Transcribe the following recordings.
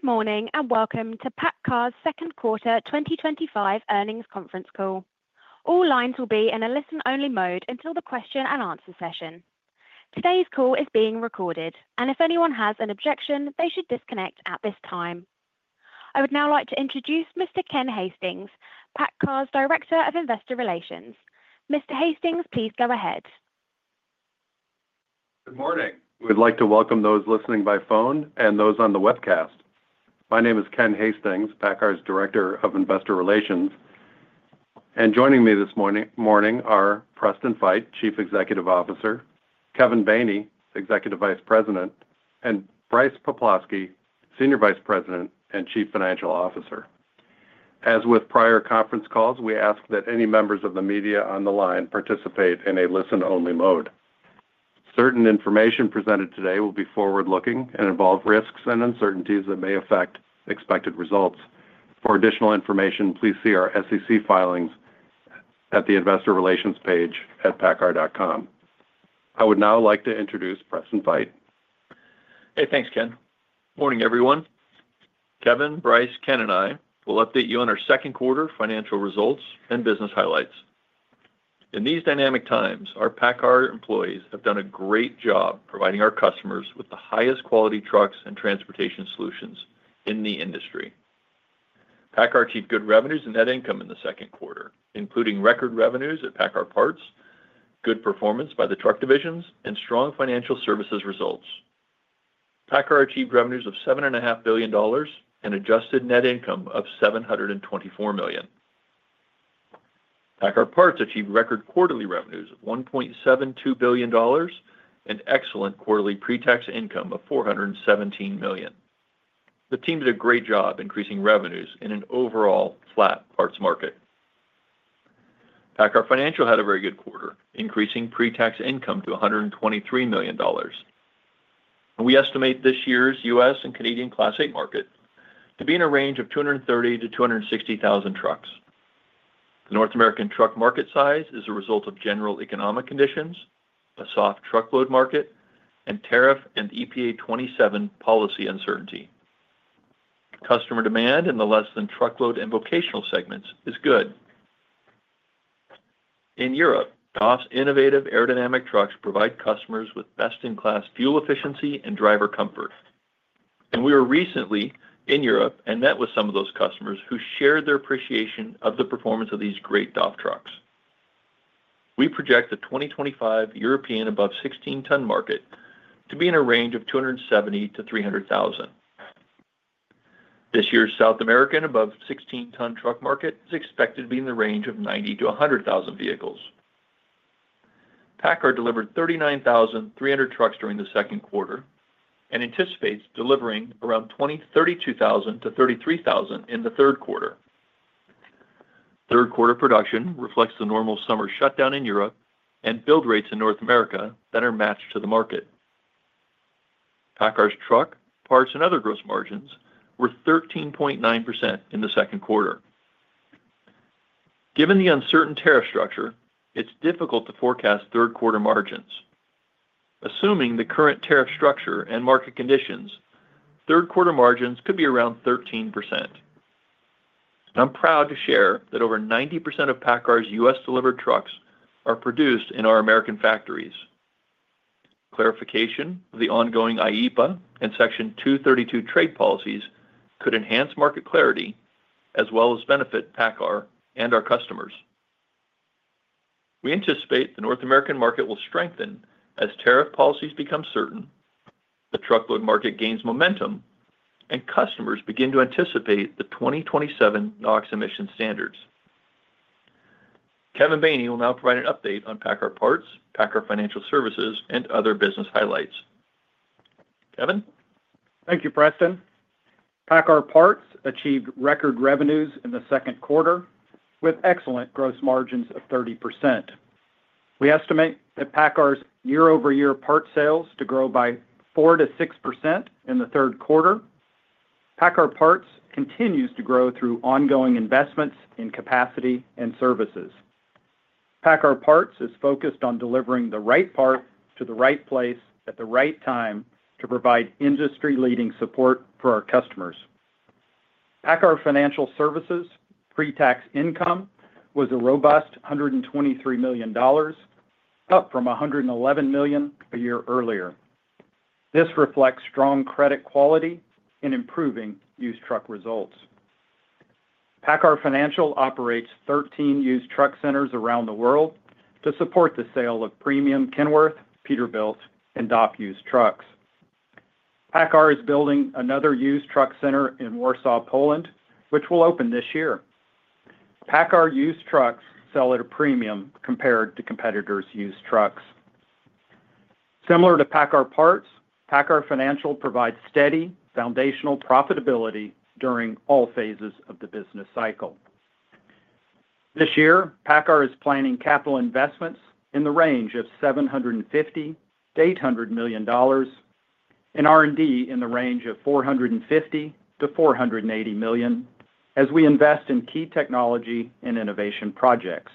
Good morning and welcome to PACCAR's Second Quarter 2025 Earnings Conference Call. All lines will be in a listen-only mode until the question and answer session. Today's call is being recorded, and if anyone has an objection, they should disconnect at this time. I would now like to introduce Mr. Ken Hastings, PACCAR's Director of Investor Relations. Mr. Hastings, please go ahead. Good morning. We'd like to welcome those listening by phone and those on the webcast. My name is Ken Hastings, PACCAR's Director of Investor Relations. Joining me this morning are Preston Feight, Chief Executive Officer; Kevin Baney, Executive Vice President; and Brice Poplawski, Senior Vice President and Chief Financial Officer. As with prior conference calls, we ask that any members of the media on the line participate in a listen-only mode. Certain information presented today will be forward-looking and involve risks and uncertainties that may affect expected results. For additional information, please see our SEC filings at the Investor Relations page at paccar.com. I would now like to introduce Preston Feight. Hey, thanks, Ken. Morning, everyone. Kevin, Brice, Ken, and I will update you on our second quarter financial results and business highlights. In these dynamic times, our PACCAR employees have done a great job providing our customers with the highest quality trucks and transportation solutions in the industry. PACCAR achieved good revenues and net income in the second quarter, including record revenues at PACCAR Parts, good performance by the truck divisions, and strong financial services results. PACCAR achieved revenues of $7.5 billion and adjusted net income of $724 million. PACCAR Parts achieved record quarterly revenues of $1.72 billion and excellent quarterly pre-tax income of $417 million. The team did a great job increasing revenues in an overall flat parts market. PACCAR Financial had a very good quarter, increasing pre-tax income to $123 million. We estimate this year's U.S. and Canadian Class 8 market to be in a range of 230,000-260,000 trucks. The North American truck market size is a result of general economic conditions, a soft truckload market, and tariff and EPA 2027 policy uncertainty. Customer demand in the less-than-truckload and vocational segments is good. In Europe, DAF's innovative aerodynamic trucks provide customers with best-in-class fuel efficiency and driver comfort. We were recently in Europe and met with some of those customers who shared their appreciation of the performance of these great DAF trucks. We project the 2025 European above-16-ton market to be in a range of 270,000-300,000. This year's South American above-16-ton truck market is expected to be in the range of 90,000-100,000 vehicles. PACCAR delivered 39,300 trucks during the second quarter and anticipates delivering around 32,000-33,000 in the third quarter. Third-quarter production reflects the normal summer shutdown in Europe and build rates in North America that are matched to the market. PACCAR's truck, parts, and other gross margins were 13.9% in the second quarter. Given the uncertain tariff structure, it's difficult to forecast third-quarter margins. Assuming the current tariff structure and market conditions, third-quarter margins could be around 13%. I'm proud to share that over 90% of PACCAR's U.S.-delivered trucks are produced in our American factories. Clarification of the ongoing IEEPA and Section 232 trade policies could enhance market clarity as well as benefit PACCAR and our customers. We anticipate the North American market will strengthen as tariff policies become certain, the truckload market gains momentum, and customers begin to anticipate the 2027 NOx emission standards. Kevin Baney will now provide an update on PACCAR Parts, PACCAR Financial Services, and other business highlights. Kevin. Thank you, Preston. PACCAR Parts achieved record revenues in the second quarter with excellent gross margins of 30%. We estimate that PACCAR's year-over-year parts sales to grow by 4%-6% in the third quarter. PACCAR Parts continues to grow through ongoing investments in capacity and services. PACCAR Parts is focused on delivering the right part to the right place at the right time to provide industry-leading support for our customers. PACCAR Financial Services' pre-tax income was a robust $123 million, up from $111 million a year earlier. This reflects strong credit quality and improving used truck results. PACCAR Financial operates 13 used truck centers around the world to support the sale of premium Kenworth, Peterbilt, and DAF used trucks. PACCAR is building another used truck center in Warsaw, Poland, which will open this year. PACCAR used trucks sell at a premium compared to competitors' used trucks. Similar to PACCAR Parts, PACCAR Financial provides steady, foundational profitability during all phases of the business cycle. This year, PACCAR is planning capital investments in the range of $750 million-$800 million and R&D in the range of $450 million-$480 million as we invest in key technology and innovation projects.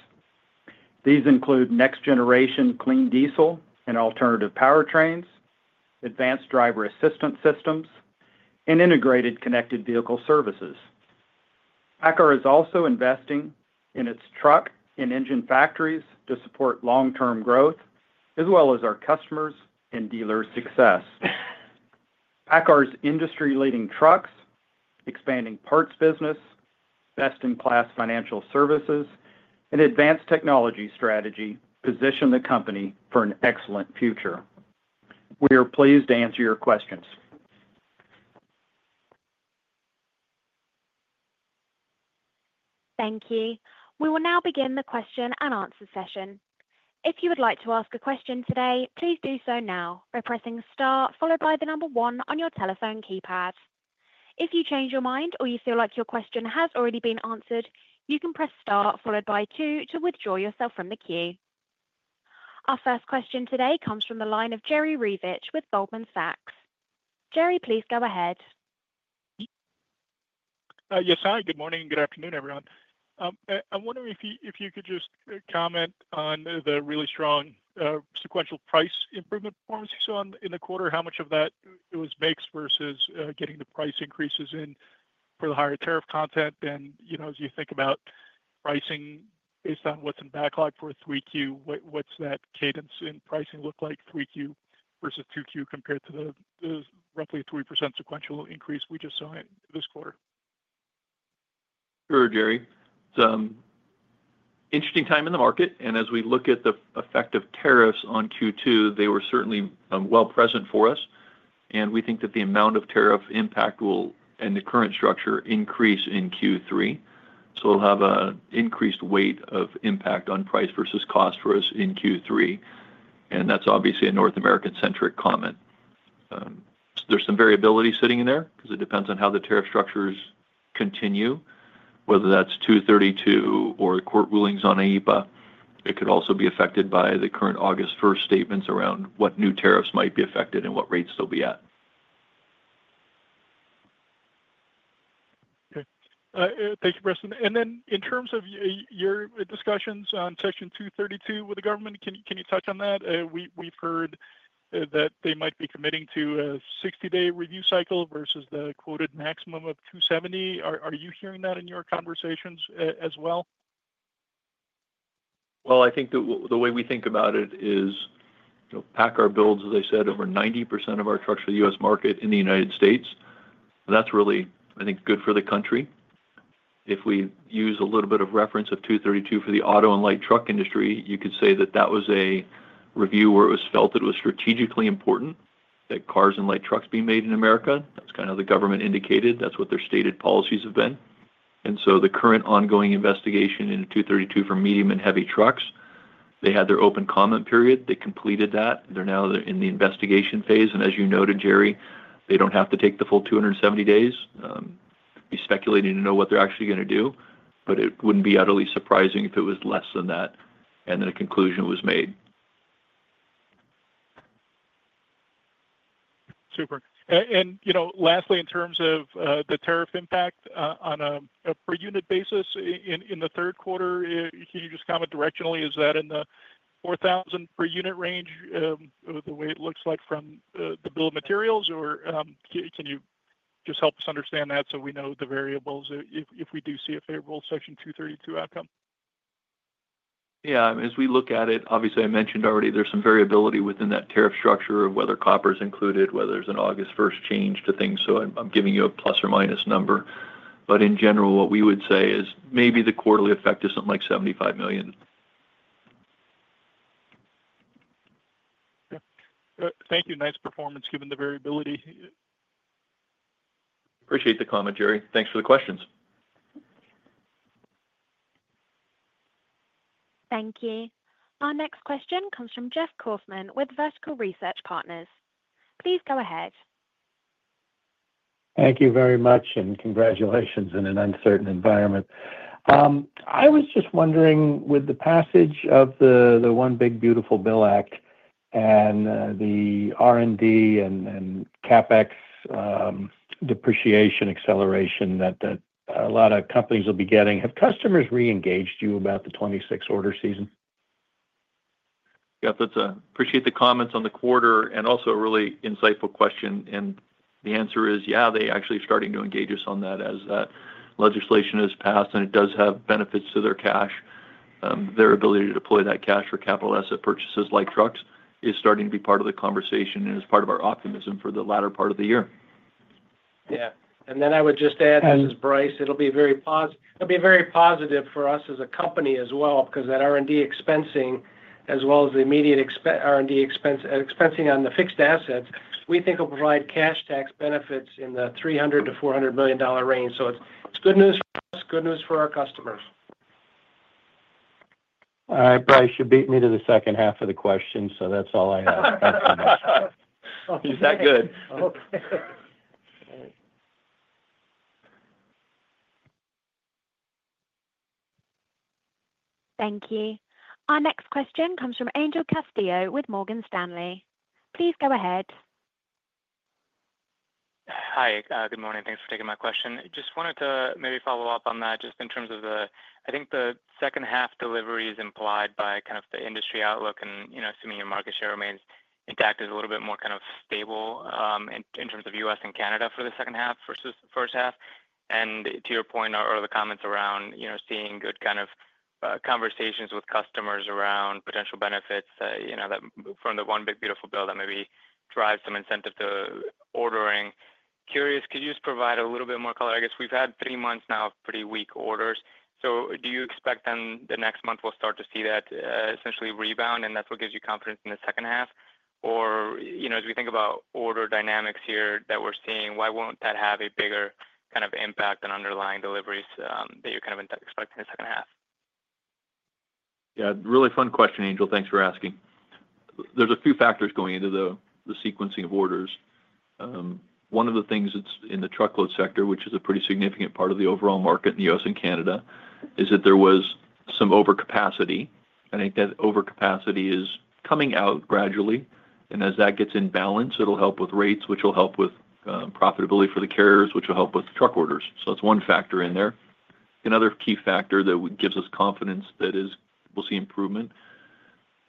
These include next-generation clean diesel and alternative powertrains, advanced driver assistance systems, and integrated connected vehicle services. PACCAR is also investing in its truck and engine factories to support long-term growth as well as our customers' and dealers' success. PACCAR's industry-leading trucks, expanding parts business, best-in-class financial services, and advanced technology strategy position the company for an excellent future. We are pleased to answer your questions. Thank you. We will now begin the question and answer session. If you would like to ask a question today, please do so now by pressing star followed by the number one on your telephone keypad. If you change your mind or you feel like your question has already been answered, you can press star followed by two to withdraw yourself from the queue. Our first question today comes from the line of Jerry Revich with Goldman Sachs. Jerry, please go ahead. Yes, hi. Good morning and good afternoon, everyone. I'm wondering if you could just comment on the really strong sequential price improvement performance you saw in the quarter, how much of that was mix versus getting the price increases in for the higher tariff content. As you think about pricing based on what's in backlog for 3Q, what's that cadence in pricing look like 3Q versus 2Q compared to the roughly 3% sequential increase we just saw this quarter? Sure, Jerry. It's an interesting time in the market. As we look at the effect of tariffs on Q2, they were certainly well-present for us. We think that the amount of tariff impact will, in the current structure, increase in Q3. We will have an increased weight of impact on price versus cost for us in Q3. That is obviously a North American-centric comment. There is some variability sitting in there because it depends on how the tariff structures continue, whether that is 232 or court rulings on IEPA. It could also be affected by the current August 1st statements around what new tariffs might be affected and what rates they will be at. Okay. Thank you, Preston. In terms of your discussions on Section 232 with the government, can you touch on that? We've heard that they might be committing to a 60-day review cycle versus the quoted maximum of 270. Are you hearing that in your conversations as well? I think the way we think about it is PACCAR builds, as I said, over 90% of our trucks for the U.S. market in the United States. That's really, I think, good for the country. If we use a little bit of reference of 232 for the auto and light truck industry, you could say that that was a review where it was felt it was strategically important that cars and light trucks be made in America. That's kind of how the government indicated. That's what their stated policies have been. The current ongoing investigation into 232 for medium and heavy trucks, they had their open comment period. They completed that. They're now in the investigation phase. As you noted, Jerry, they do not have to take the full 270 days. We speculate you know what they're actually going to do, but it would not be utterly surprising if it was less than that and that a conclusion was made. Super. Lastly, in terms of the tariff impact on a per-unit basis in the third quarter, can you just comment directionally? Is that in the $4,000 per unit range the way it looks like from the bill of materials? Or can you just help us understand that so we know the variables if we do see a favorable Section 232 outcome? Yeah. As we look at it, obviously, I mentioned already, there's some variability within that tariff structure of whether copper is included, whether there's an August 1st change to things. I'm giving you a plus or minus number. In general, what we would say is maybe the quarterly effect isn't like $75 million. Thank you. Nice performance given the variability. Appreciate the comment, Jerry. Thanks for the questions. Thank you. Our next question comes from Jeff Kauffman with Vertical Research Partners. Please go ahead. Thank you very much and congratulations in an uncertain environment. I was just wondering, with the passage of the One Big Beautiful Bill Act and the R&D and CapEx. Depreciation acceleration that a lot of companies will be getting, have customers re-engaged you about the 2026 order season? Yep. I appreciate the comments on the quarter and also a really insightful question. The answer is, yeah, they actually are starting to engage us on that as that legislation is passed and it does have benefits to their cash. Their ability to deploy that cash for capital asset purchases like trucks is starting to be part of the conversation and is part of our optimism for the latter part of the year. Yeah. I would just add, this is Brice, it'll be very positive for us as a company as well because that R&D expensing as well as the immediate R&D expensing on the fixed assets, we think will provide cash tax benefits in the $300 million-$400 million range. It's good news for us, good news for our customers. All right, Brice, you beat me to the second half of the question, so that's all I have. Thanks so much. Is that good? Thank you. Our next question comes from Angel Castillo with Morgan Stanley. Please go ahead. Hi, good morning. Thanks for taking my question. Just wanted to maybe follow up on that just in terms of the, I think the second half delivery is implied by kind of the industry outlook and assuming your market share remains intact is a little bit more kind of stable in terms of U.S. and Canada for the second half versus first half. To your point, or the comments around seeing good kind of conversations with customers around potential benefits from the One Big Beautiful Bill that maybe drives some incentive to ordering. Curious, could you just provide a little bit more color? I guess we've had three months now of pretty weak orders. Do you expect then the next month we'll start to see that essentially rebound and that's what gives you confidence in the second half? As we think about order dynamics here that we're seeing, why won't that have a bigger kind of impact on underlying deliveries that you're kind of expecting in the second half? Yeah. Really fun question, Angel. Thanks for asking. There's a few factors going into the sequencing of orders. One of the things that's in the truckload sector, which is a pretty significant part of the overall market in the U.S. and Canada, is that there was some overcapacity. I think that overcapacity is coming out gradually. As that gets in balance, it'll help with rates, which will help with profitability for the carriers, which will help with truck orders. That's one factor in there. Another key factor that gives us confidence that we'll see improvement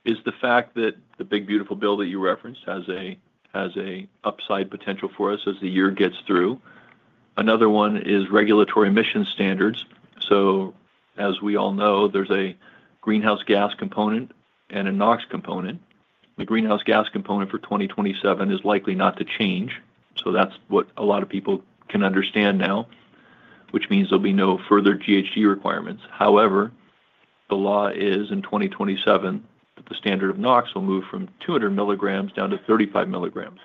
is the fact that the Big Beautiful Bill that you referenced has an upside potential for us as the year gets through. Another one is regulatory emissions standards. As we all know, there's a greenhouse gas component and a NOx component. The greenhouse gas component for 2027 is likely not to change. That's what a lot of people can understand now, which means there'll be no further GHG requirements. However, the law is in 2027 that the standard of NOx will move from 200 mg down to 35 mg.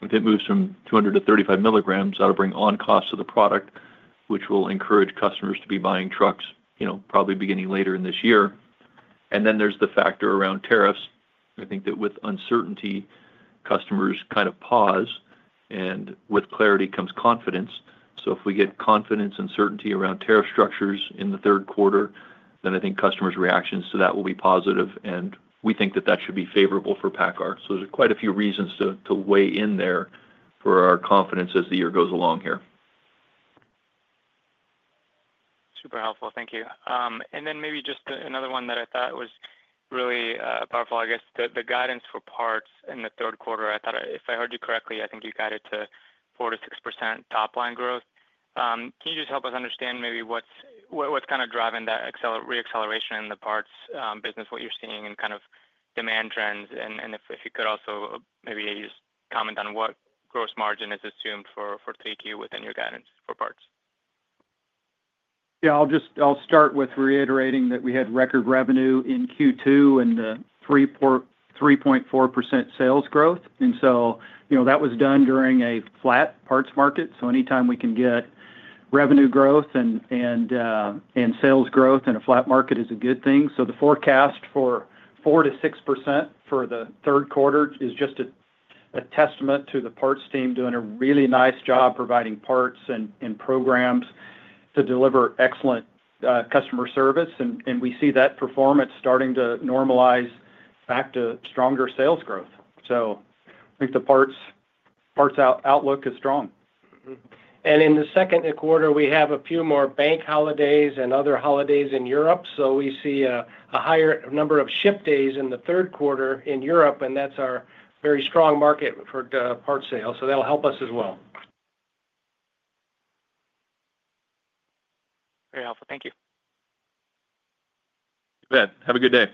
If it moves from 200 mg-35 mg, that'll bring on costs to the product, which will encourage customers to be buying trucks probably beginning later in this year. There's the factor around tariffs. I think that with uncertainty, customers kind of pause, and with clarity comes confidence. If we get confidence and certainty around tariff structures in the third quarter, then I think customers' reactions to that will be positive. We think that that should be favorable for PACCAR. There's quite a few reasons to weigh in there for our confidence as the year goes along here. Super helpful. Thank you. Maybe just another one that I thought was really powerful, I guess, the guidance for parts in the third quarter. I thought if I heard you correctly, I think you guided to 4%-6% top line growth. Can you just help us understand maybe what's kind of driving that re-acceleration in the parts business, what you're seeing in kind of demand trends? If you could also maybe just comment on what gross margin is assumed for 3Q within your guidance for parts. Yeah. I'll start with reiterating that we had record revenue in Q2 and 3.4% sales growth. That was done during a flat parts market. Anytime we can get revenue growth and sales growth in a flat market is a good thing. The forecast for 4%-6% for the third quarter is just a testament to the parts team doing a really nice job providing parts and programs to deliver excellent customer service. We see that performance starting to normalize back to stronger sales growth. I think the parts outlook is strong. In the second quarter, we have a few more bank holidays and other holidays in Europe. We see a higher number of ship days in the third quarter in Europe, and that is our very strong market for parts sales. That will help us as well. Very helpful. Thank you. You bet. Have a good day.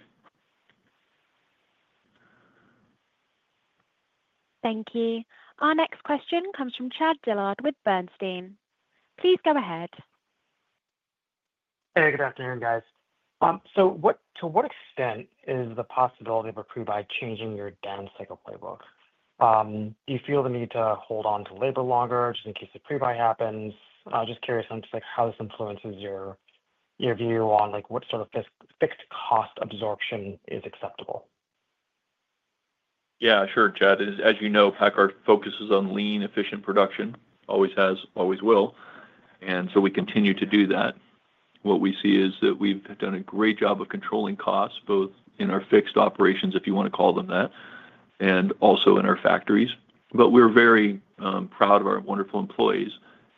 Thank you. Our next question comes from Chad Dillard with Bernstein. Please go ahead. Hey, good afternoon, guys. To what extent is the possibility of a pre-buy changing your down cycle playbook? Do you feel the need to hold on to labor longer just in case the pre-buy happens? Just curious on how this influences your view on what sort of fixed cost absorption is acceptable. Yeah, sure, Chad. As you know, PACCAR focuses on lean, efficient production. Always has, always will. We continue to do that. What we see is that we've done a great job of controlling costs, both in our fixed operations, if you want to call them that, and also in our factories. We are very proud of our wonderful employees.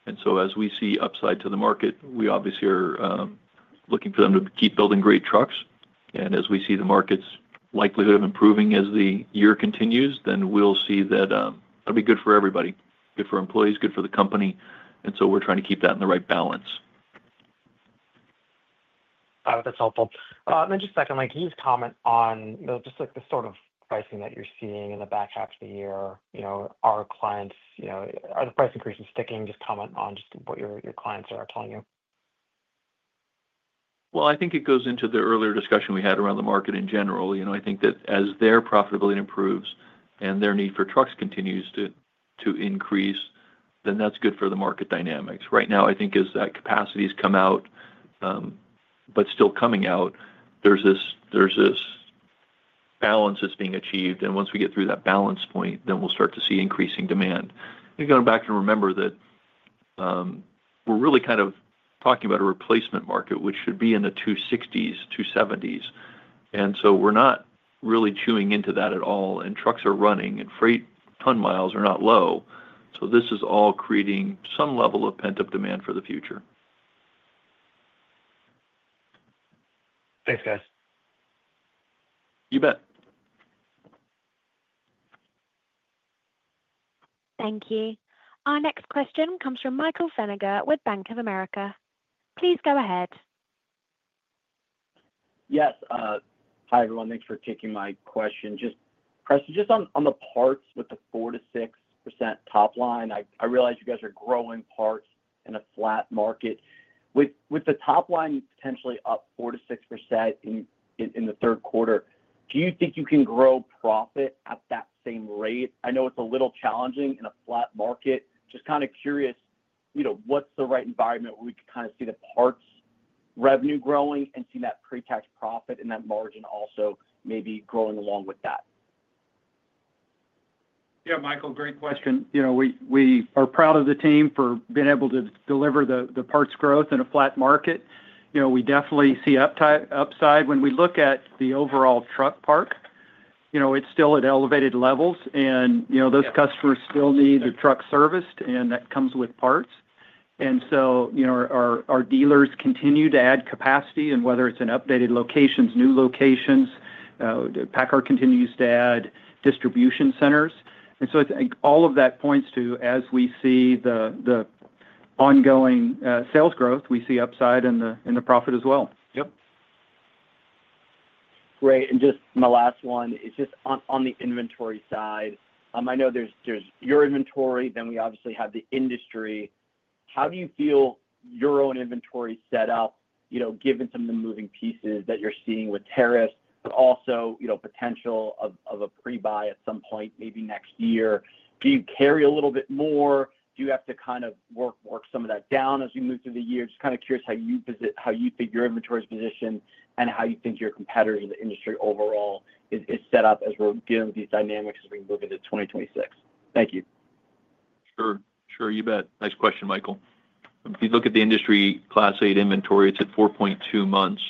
As we see upside to the market, we obviously are looking for them to keep building great trucks. As we see the market's likelihood of improving as the year continues, we will see that it will be good for everybody. Good for employees, good for the company. We are trying to keep that in the right balance. That's helpful. Just secondly, can you just comment on just the sort of pricing that you're seeing in the back half of the year? Are the price increases sticking? Just comment on just what your clients are telling you. I think it goes into the earlier discussion we had around the market in general. I think that as their profitability improves and their need for trucks continues to increase, then that's good for the market dynamics. Right now, I think as that capacity has come out, but still coming out, there's this balance that's being achieved. Once we get through that balance point, we'll start to see increasing demand. I think going back to remember that we're really kind of talking about a replacement market, which should be in the 260s-270s. We're not really chewing into that at all, and trucks are running and freight ton miles are not low. This is all creating some level of pent-up demand for the future. Thanks, guys. You bet. Thank you. Our next question comes from Michael Feniger with Bank of America. Please go ahead. Yes. Hi everyone. Thanks for taking my question. Just on the parts with the 4%-6% top line, I realize you guys are growing parts in a flat market. With the top line potentially up 4%-6%. In the third quarter, do you think you can grow profit at that same rate? I know it's a little challenging in a flat market. Just kind of curious, what's the right environment where we could kind of see the parts revenue growing and seeing that pre-tax profit and that margin also maybe growing along with that? Yeah, Michael, great question. We are proud of the team for being able to deliver the parts growth in a flat market. We definitely see upside when we look at the overall truck park. It's still at elevated levels. Those customers still need the truck serviced, and that comes with parts. Our dealers continue to add capacity, whether it's in updated locations or new locations. PACCAR continues to add distribution centers. I think all of that points to, as we see the ongoing sales growth, we see upside in the profit as well. Yep. Great. Just my last one is just on the inventory side. I know there's your inventory, then we obviously have the industry. How do you feel your own inventory set up given some of the moving pieces that you're seeing with tariffs, but also potential of a pre-buy at some point maybe next year? Do you carry a little bit more? Do you have to kind of work some of that down as you move through the year? Just kind of curious how you think your inventory is positioned and how you think your competitors in the industry overall is set up as we're dealing with these dynamics as we move into 2026. Thank you. Sure. You bet. Nice question, Michael. If you look at the industry Class 8 inventory, it's at 4.2 months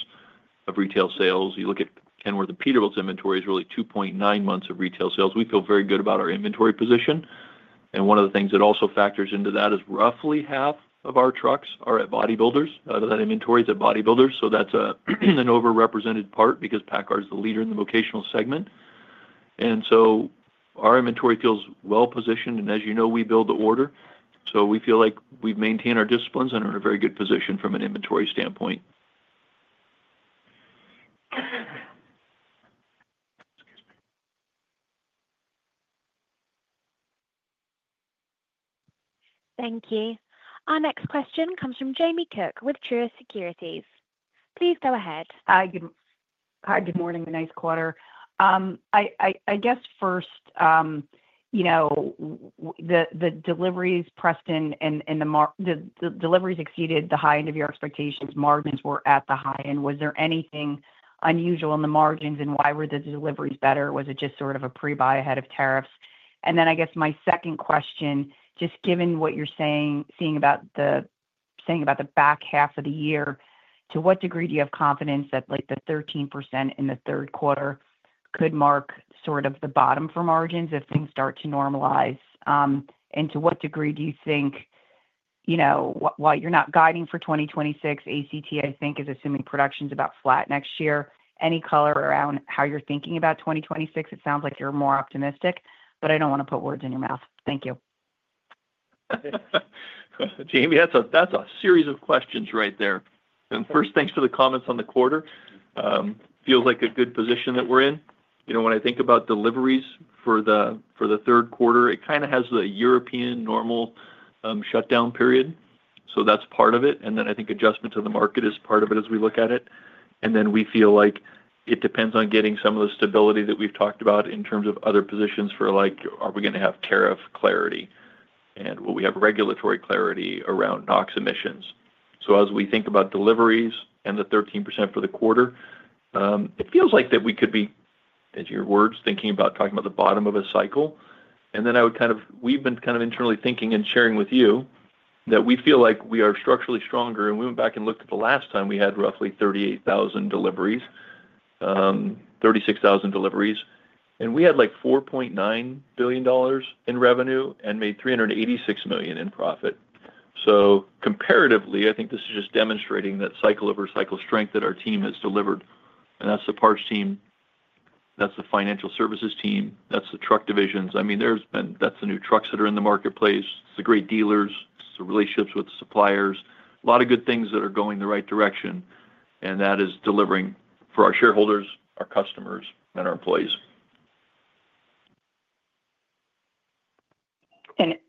of retail sales. You look at Kenworth and Peterbilt's inventory, it is really 2.9 months of retail sales. We feel very good about our inventory position. One of the things that also factors into that is roughly half of our trucks are at bodybuilders. Out of that inventory is at bodybuilders. That is an overrepresented part because PACCAR is the leader in the vocational segment. Our inventory feels well positioned. As you know, we build to order. We feel like we have maintained our disciplines and are in a very good position from an inventory standpoint. Thank you. Our next question comes from Jamie Cook with Truist Securities. Please go ahead. Hi. Good morning, the next quarter. I guess first. The deliveries, Preston, and the deliveries exceeded the high end of your expectations. Margins were at the high end. Was there anything unusual in the margins and why were the deliveries better? Was it just sort of a pre-buy ahead of tariffs? I guess my second question, just given what you're seeing about the back half of the year, to what degree do you have confidence that the 13% in the third quarter could mark sort of the bottom for margins if things start to normalize? To what degree do you think, while you're not guiding for 2026, ACT, I think, is assuming production's about flat next year. Any color around how you're thinking about 2026? It sounds like you're more optimistic, but I don't want to put words in your mouth. Thank you. Jamie, that's a series of questions right there. First, thanks for the comments on the quarter. Feels like a good position that we're in. When I think about deliveries for the third quarter, it kind of has the European normal shutdown period. That's part of it. I think adjustment to the market is part of it as we look at it. We feel like it depends on getting some of the stability that we've talked about in terms of other positions, like are we going to have tariff clarity? Will we have regulatory clarity around NOx emissions? As we think about deliveries and the 13% for the quarter, it feels like we could be, as your words, thinking about talking about the bottom of a cycle. I would kind of, we've been kind of internally thinking and sharing with you that we feel like we are structurally stronger. We went back and looked at the last time we had roughly 38,000 deliveries, 36,000 deliveries, and we had like $4.9 billion in revenue and made $386 million in profit. Comparatively, I think this is just demonstrating that cycle-over-cycle strength that our team has delivered. That's the parts team, that's the financial services team, that's the truck divisions. I mean, that's the new trucks that are in the marketplace. It's the great dealers. It's the relationships with suppliers. A lot of good things that are going the right direction. That is delivering for our shareholders, our customers, and our employees.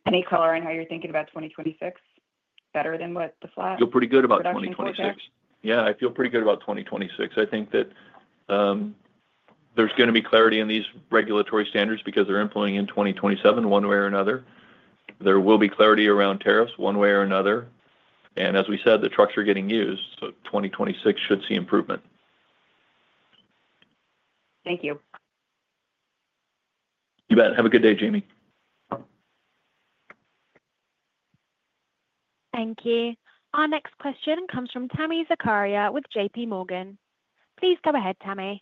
Any color on how you're thinking about 2026? Better than what the flat? I feel pretty good about 2026. 2026? Yeah, I feel pretty good about 2026. I think that. There's going to be clarity in these regulatory standards because they're implementing in 2027 one way or another. There will be clarity around tariffs one way or another. And as we said, the trucks are getting used. So 2026 should see improvement. Thank you. You bet. Have a good day, Jamie. Thank you. Our next question comes from Tami Zakaria with J.P. Morgan. Please go ahead, Tami.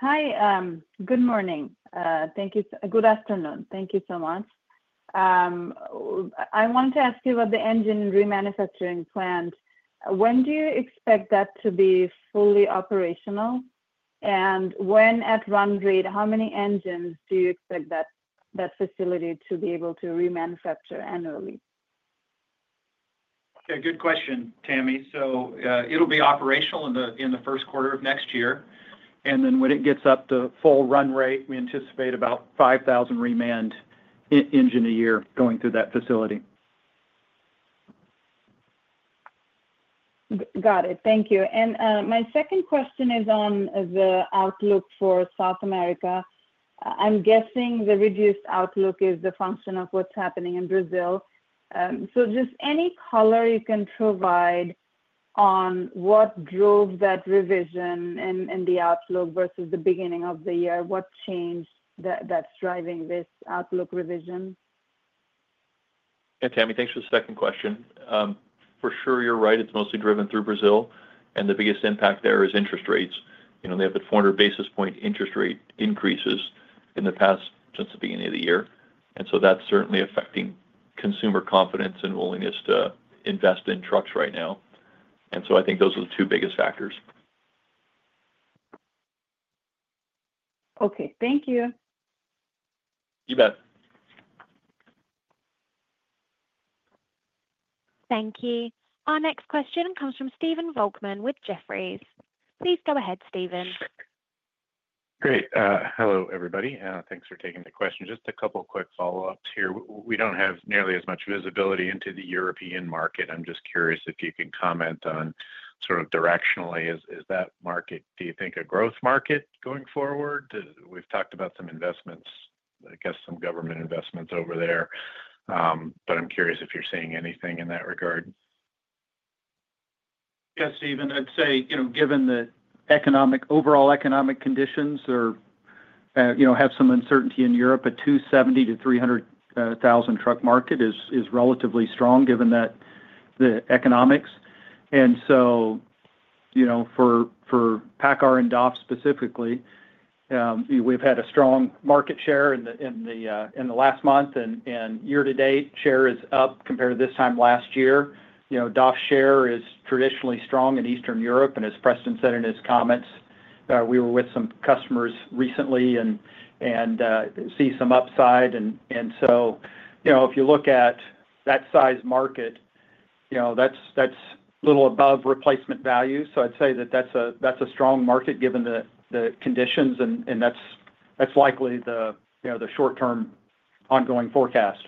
Hi. Good morning. Thank you. Good afternoon. Thank you so much. I want to ask you about the engine remanufacturing plant. When do you expect that to be fully operational? When at run rate, how many engines do you expect that facility to be able to remanufacture annually? Okay. Good question, Tami. It will be operational in the first quarter of next year. When it gets up to full run rate, we anticipate about 5,000 reman engines a year going through that facility. Got it. Thank you. My second question is on the outlook for South America. I'm guessing the reduced outlook is the function of what's happening in Brazil. Just any color you can provide on what drove that revision in the outlook versus the beginning of the year, what change that's driving this outlook revision? Yeah, Tami, thanks for the second question. For sure, you're right. It's mostly driven through Brazil. The biggest impact there is interest rates. They have a 400 basis point interest rate increase in the past since the beginning of the year. That is certainly affecting consumer confidence and willingness to invest in trucks right now. I think those are the two biggest factors. Okay. Thank you. You bet. Thank you. Our next question comes from Stephen Volkmann with Jefferies. Please go ahead, Stephen. Great. Hello, everybody. Thanks for taking the question. Just a couple of quick follow-ups here. We do not have nearly as much visibility into the European market. I am just curious if you can comment on sort of directionally, is that market, do you think, a growth market going forward? We have talked about some investments, I guess some government investments over there. I am curious if you are seeing anything in that regard. Yeah, Stephen, I'd say given the overall economic conditions, or have some uncertainty in Europe, a 270,000-300,000 truck market is relatively strong given the economics. For PACCAR and DAF specifically, we've had a strong market share in the last month. Year-to-date share is up compared to this time last year. DAF share is traditionally strong in Eastern Europe. As Preston said in his comments, we were with some customers recently and see some upside. If you look at that size market, that's a little above replacement value. I'd say that that's a strong market given the conditions. That's likely the short-term ongoing forecast.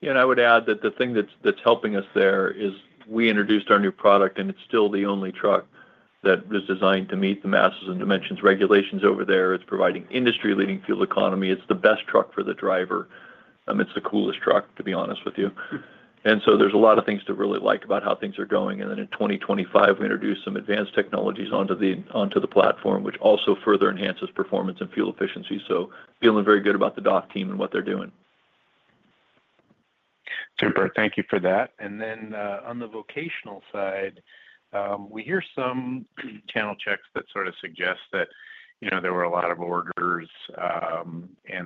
Yeah, and I would add that the thing that's helping us there is we introduced our new product, and it's still the only truck that was designed to meet the masses and dimensions regulations over there. It's providing industry-leading fuel economy. It's the best truck for the driver. It's the coolest truck, to be honest with you. There are a lot of things to really like about how things are going. In 2025, we introduce some advanced technologies onto the platform, which also further enhances performance and fuel efficiency. Feeling very good about the DAF team and what they're doing. Super. Thank you for that. Then on the vocational side, we hear some channel checks that sort of suggest that there were a lot of orders.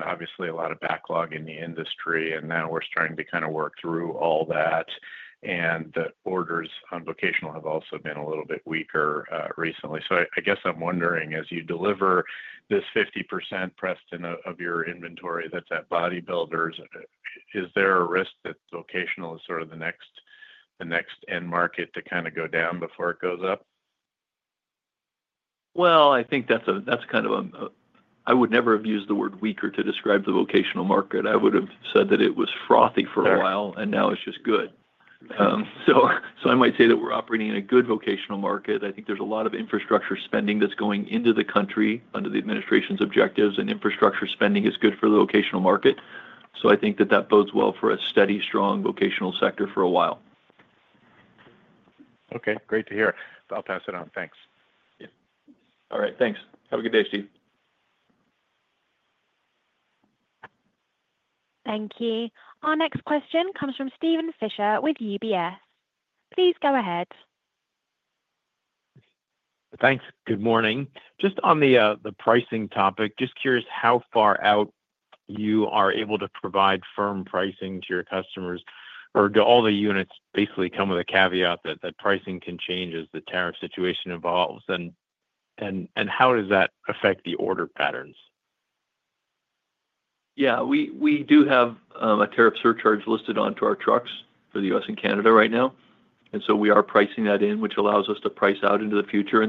Obviously a lot of backlog in the industry. Now we're starting to kind of work through all that. The orders on vocational have also been a little bit weaker recently. I guess I'm wondering, as you deliver this 50%, Preston, of your inventory that's at bodybuilders, is there a risk that vocational is sort of the next end market to kind of go down before it goes up? I think that's kind of a—I would never have used the word weaker to describe the vocational market. I would have said that it was frothy for a while, and now it's just good. I might say that we're operating in a good vocational market. I think there's a lot of infrastructure spending that's going into the country under the administration's objectives. Infrastructure spending is good for the vocational market. I think that that bodes well for a steady, strong vocational sector for a while. Okay. Great to hear. I'll pass it on. Thanks. All right. Thanks. Have a good day, Steve. Thank you. Our next question comes from Steven Fisher with UBS. Please go ahead. Thanks. Good morning. Just on the pricing topic, just curious how far out you are able to provide firm pricing to your customers. Or do all the units basically come with a caveat that pricing can change as the tariff situation evolves? How does that affect the order patterns? Yeah. We do have a tariff surcharge listed onto our trucks for the U.S. and Canada right now. We are pricing that in, which allows us to price out into the future.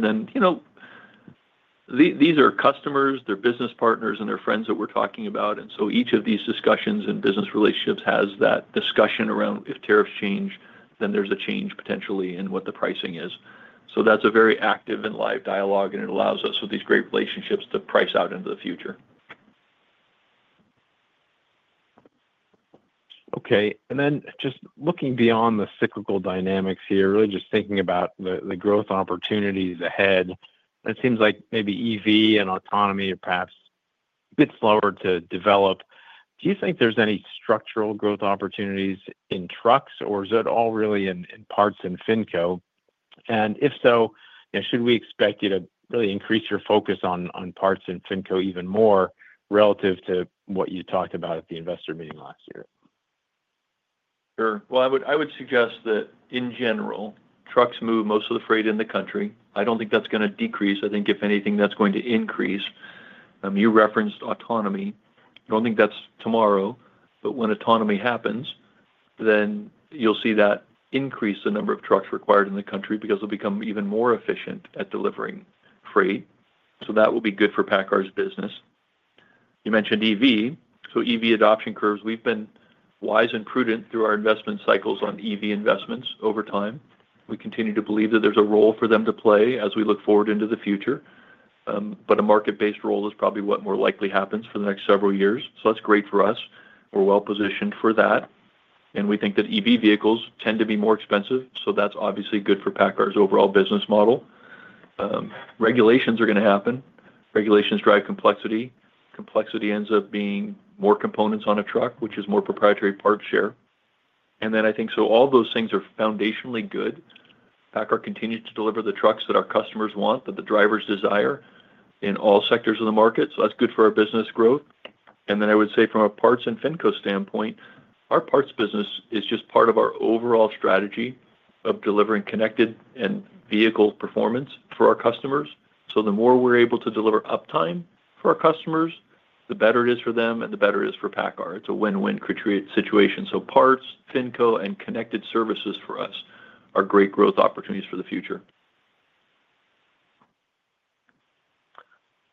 These are customers, their business partners, and their friends that we're talking about. Each of these discussions and business relationships has that discussion around if tariffs change, then there's a change potentially in what the pricing is. That is a very active and live dialogue, and it allows us with these great relationships to price out into the future. Okay. And then just looking beyond the cyclical dynamics here, really just thinking about the growth opportunities ahead, it seems like maybe EV and autonomy are perhaps a bit slower to develop. Do you think there's any structural growth opportunities in trucks, or is it all really in parts and FINCO? And if so, should we expect you to really increase your focus on parts and FINCO even more relative to what you talked about at the investor meeting last year? Sure. I would suggest that in general, trucks move most of the freight in the country. I do not think that is going to decrease. I think if anything, that is going to increase. You referenced autonomy. I do not think that is tomorrow. When autonomy happens, then you will see that increase the number of trucks required in the country because they will become even more efficient at delivering freight. That will be good for PACCAR's business. You mentioned EV. EV adoption curves, we have been wise and prudent through our investment cycles on EV investments over time. We continue to believe that there is a role for them to play as we look forward into the future. A market-based role is probably what more likely happens for the next several years. That is great for us. We are well positioned for that. We think that EV vehicles tend to be more expensive. That is obviously good for PACCAR's overall business model. Regulations are going to happen. Regulations drive complexity. Complexity ends up being more components on a truck, which is more proprietary parts share. I think all those things are foundationally good. PACCAR continues to deliver the trucks that our customers want, that the drivers desire in all sectors of the market. That is good for our business growth. I would say from a parts and FINCO standpoint, our parts business is just part of our overall strategy of delivering connected and vehicle performance for our customers. The more we are able to deliver uptime for our customers, the better it is for them and the better it is for PACCAR. It is a win-win situation. Parts, FINCO, and connected services for us are great growth opportunities for the future.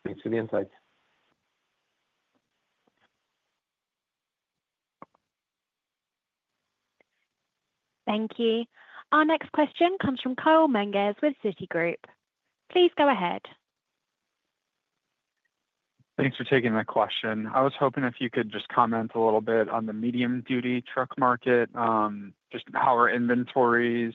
Thanks for the insight. Thank you. Our next question comes from Kyle Menges with Citigroup. Please go ahead. Thanks for taking my question. I was hoping if you could just comment a little bit on the medium-duty truck market. Just how are inventories?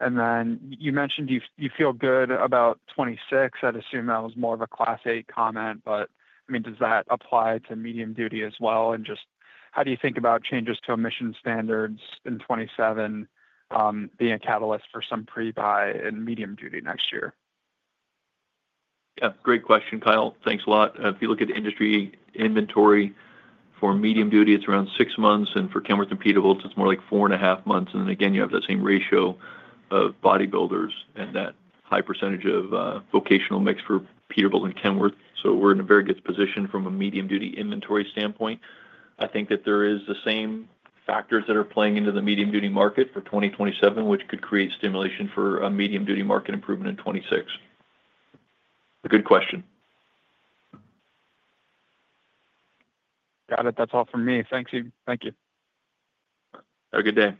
You mentioned you feel good about 2026. I would assume that was more of a Class 8 comment. I mean, does that apply to medium-duty as well? Just how do you think about changes to emission standards in 2027 being a catalyst for some pre-buy in medium-duty next year? Yeah. Great question, Kyle. Thanks a lot. If you look at industry inventory for medium-duty, it's around six months. For Kenworth and Peterbilt, it's more like four and a half months. You have that same ratio of bodybuilders and that high percentage of vocational mix for Peterbilt and Kenworth. We are in a very good position from a medium-duty inventory standpoint. I think that there are the same factors that are playing into the medium-duty market for 2027, which could create stimulation for a medium-duty market improvement in 2026. A good question. Got it. That's all from me. Thank you. Thank you. Have a good day.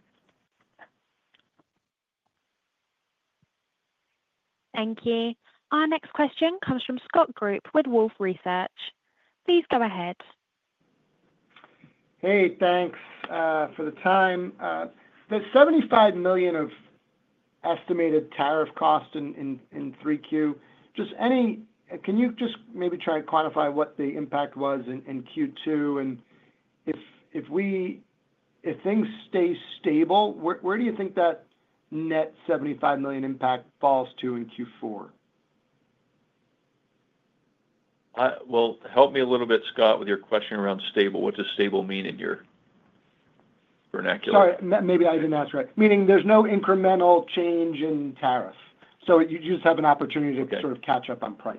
Thank you. Our next question comes from Scott Group with Wolfe Research. Please go ahead. Hey, thanks for the time. That $75 million of estimated tariff cost in 3Q, just any, can you just maybe try and quantify what the impact was in Q2? If things stay stable, where do you think that net $75 million impact falls to in Q4? Help me a little bit, Scott, with your question around stable. What does stable mean in your vernacular? Sorry. Maybe I didn't ask right. Meaning there's no incremental change in tariff. So you just have an opportunity to sort of catch up on price.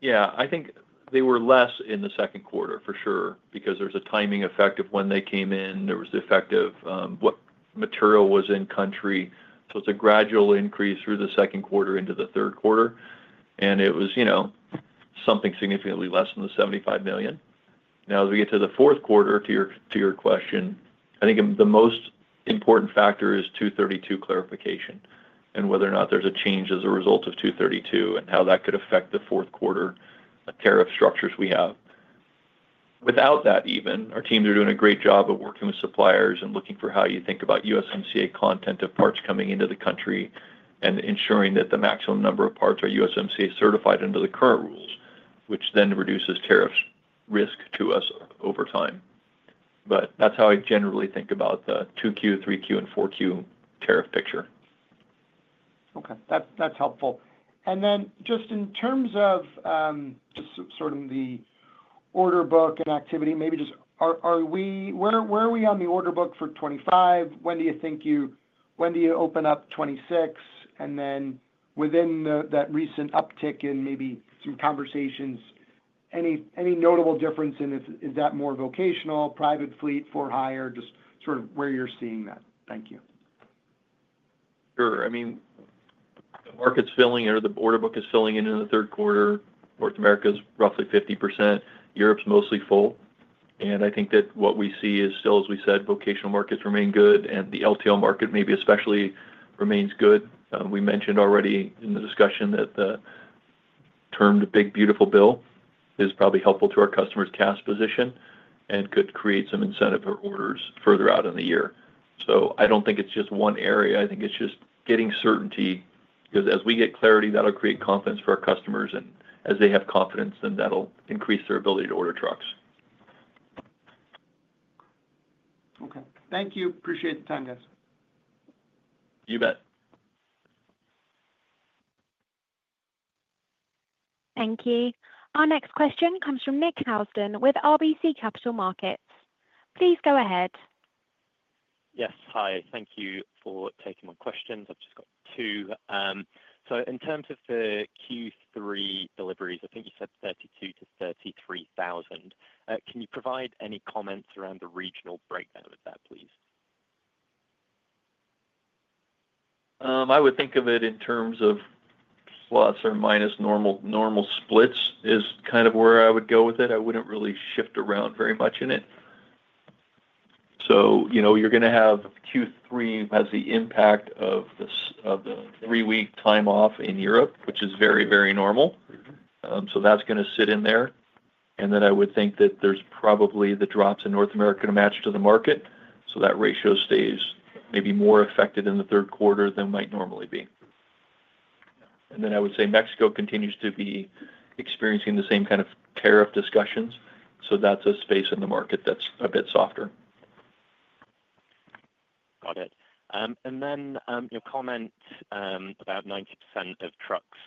Yeah. I think they were less in the second quarter, for sure, because there's a timing effect of when they came in. There was the effect of what material was in country. It is a gradual increase through the second quarter into the third quarter. It was something significantly less than the $75 million. Now, as we get to the fourth quarter, to your question, I think the most important factor is 232 clarification and whether or not there's a change as a result of 232 and how that could affect the fourth quarter tariff structures we have. Without that even, our teams are doing a great job of working with suppliers and looking for how you think about USMCA content of parts coming into the country and ensuring that the maximum number of parts are USMCA certified under the current rules, which then reduces tariff risk to us over time. That is how I generally think about the 2Q, 3Q, and 4Q tariff picture. Okay. That's helpful. Just in terms of the order book and activity, maybe just where are we on the order book for 2025? When do you think you open up 2026? Within that recent uptick in maybe some conversations, any notable difference in is that more vocational, private fleet, for hire, just sort of where you're seeing that? Thank you. Sure. I mean, the market's filling or the order book is filling into the third quarter. North America is roughly 50%. Europe's mostly full. I think that what we see is still, as we said, vocational markets remain good, and the LTL market maybe especially remains good. We mentioned already in the discussion that the termed big, beautiful bill is probably helpful to our customers' cash position and could create some incentive for orders further out in the year. I do not think it is just one area. I think it is just getting certainty because as we get clarity, that will create confidence for our customers. As they have confidence, then that will increase their ability to order trucks. Okay. Thank you. Appreciate the time, guys. You bet. Thank you. Our next question comes from Nick Housden with RBC Capital Markets. Please go ahead. Yes. Hi. Thank you for taking my questions. I've just got two. In terms of the Q3 deliveries, I think you said 32,000-33,000. Can you provide any comments around the regional breakdown of that, please? I would think of it in terms of plus or minus normal splits is kind of where I would go with it. I would not really shift around very much in it. You are going to have Q3 has the impact of the three-week time off in Europe, which is very, very normal. That is going to sit in there. I would think that there is probably the drops in North America to match to the market. That ratio stays maybe more affected in the third quarter than might normally be. I would say Mexico continues to be experiencing the same kind of tariff discussions. That is a space in the market that is a bit softer. Got it. Your comment about 90% of trucks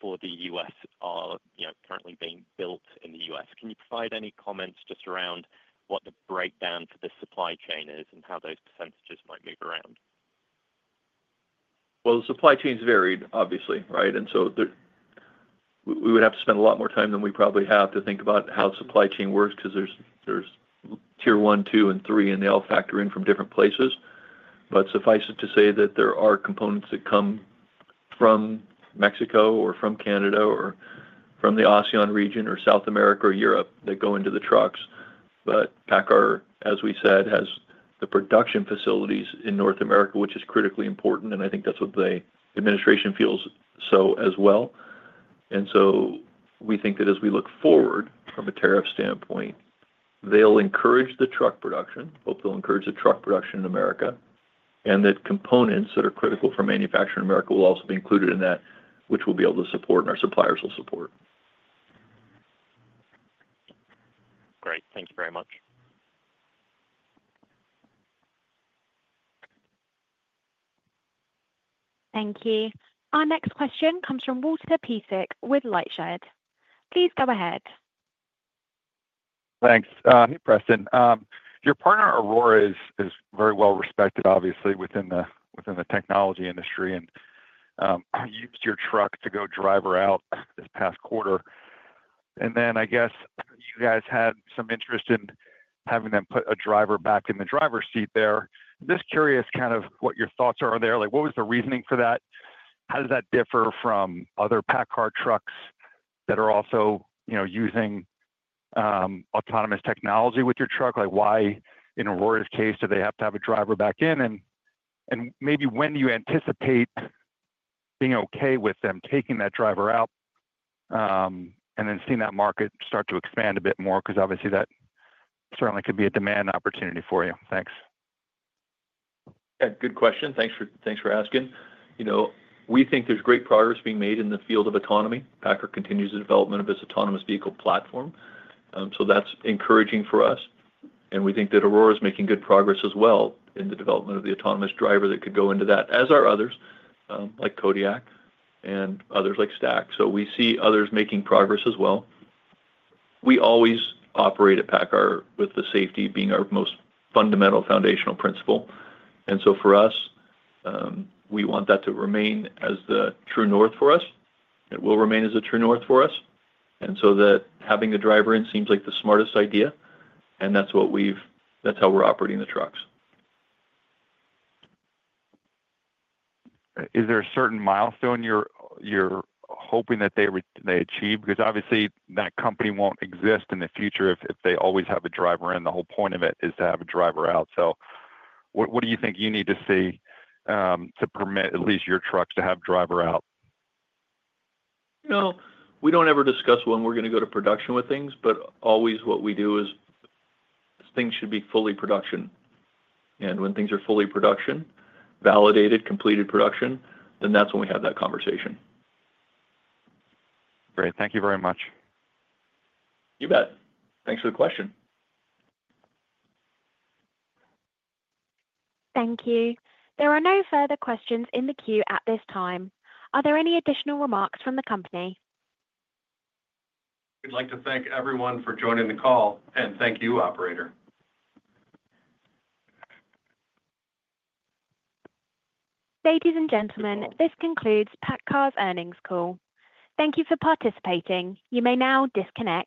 for the U.S. are currently being built in the U.S. Can you provide any comments just around what the breakdown for the supply chain is and how those percentages might move around? The supply chain's varied, obviously, right? We would have to spend a lot more time than we probably have to think about how supply chain works because there's tier one, two, and three, and they all factor in from different places. Suffice it to say that there are components that come from Mexico or from Canada or from the ASEAN region or South America or Europe that go into the trucks. PACCAR, as we said, has the production facilities in North America, which is critically important. I think that's what the administration feels as well. We think that as we look forward from a tariff standpoint, they'll encourage the truck production, hope they'll encourage the truck production in America, and that components that are critical for manufacturing in America will also be included in that, which we'll be able to support, and our suppliers will support. Great. Thank you very much. Thank you. Our next question comes from Walter Piecyk with LightShed. Please go ahead. Thanks. Hey, Preston. Your partner, Aurora, is very well respected, obviously, within the technology industry. You used your truck to go driver out this past quarter. I guess you guys had some interest in having them put a driver back in the driver's seat there. Just curious kind of what your thoughts are there. What was the reasoning for that? How does that differ from other PACCAR trucks that are also using autonomous technology with your truck? Why, in Aurora's case, do they have to have a driver back in? Maybe when do you anticipate being okay with them taking that driver out and then seeing that market start to expand a bit more? Because obviously, that certainly could be a demand opportunity for you. Thanks. Yeah. Good question. Thanks for asking. We think there's great progress being made in the field of autonomy. PACCAR continues the development of its autonomous vehicle platform. That is encouraging for us. We think that Aurora is making good progress as well in the development of the autonomous driver that could go into that, as are others like Kodiak and others like Stack. We see others making progress as well. We always operate at PACCAR with safety being our most fundamental foundational principle. For us, we want that to remain as the true north for us. It will remain as a true north for us. Having the driver in seems like the smartest idea. That is how we're operating the trucks. Is there a certain milestone you're hoping that they achieve? Because obviously, that company won't exist in the future if they always have a driver in. The whole point of it is to have a driver out. What do you think you need to see to permit at least your trucks to have driver out? We do not ever discuss when we are going to go to production with things. What we do is things should be fully production. When things are fully production, validated, completed production, then that is when we have that conversation. Great. Thank you very much. You bet. Thanks for the question. Thank you. There are no further questions in the queue at this time. Are there any additional remarks from the company? We'd like to thank everyone for joining the call. Thank you, operator. Ladies and gentlemen, this concludes PACCAR's earnings call. Thank you for participating. You may now disconnect.